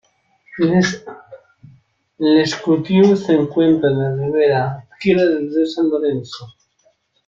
Les Coteaux se encuentra en la ribera izquierda del río San Lorenzo.